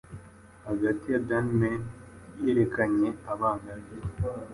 hagati ya Danemen yerekana abanabe